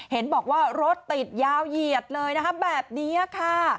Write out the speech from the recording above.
เห็นบอกว่ารถติดยาวเหยียดเลยนะคะแบบนี้ค่ะ